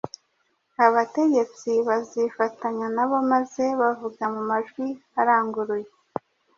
abategetsi bazifatanya nabo, maze bavuga mu majwi aranguruye